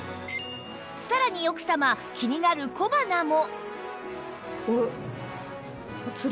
さらに奥様気になる小鼻も